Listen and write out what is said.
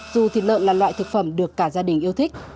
dù thịt lợn là loại thực phẩm được cả gia đình yêu thích